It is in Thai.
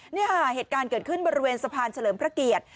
นี่ค่ะเหตุการณ์เกิดขึ้นบริเวณสะพานเฉลิมพระเกียรติ